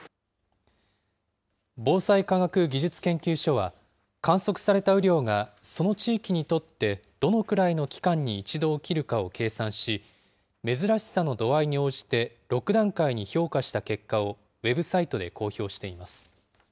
防災科学技術研究所は、観測された雨量がその地域にとってどのくらいの期間に１度起きるかを計算し、珍しさの度合いに応じて６段階に評価した結果をウェブサイトで公表しています。